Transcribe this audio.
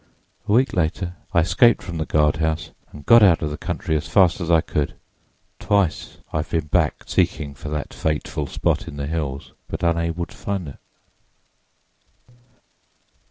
"A week later, I escaped from the guardhouse and got out of the country as fast as I could. Twice I have been back, seeking for that fateful spot in the hills, but unable to find it."